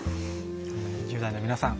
１０代の皆さん